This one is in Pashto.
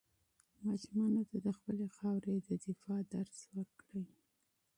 ماشومانو ته د خپلې خاورې د دفاع درس ورکړئ.